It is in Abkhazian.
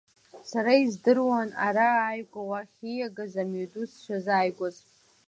Сара издыруан, ара ааигәа уахь ииагаз амҩаду сшазааигәаз.